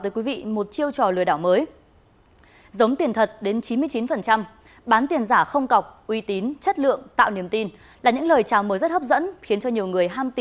cũng đặt mua tiền giả qua mạng